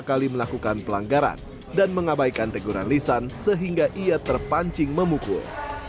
kali melakukan pelanggaran dan mengabaikan teguran lisan sehingga ia terpancing memukul